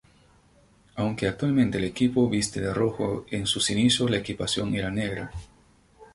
Aunque actualmente el equipo viste de rojo en sus inicios la equipación era negra.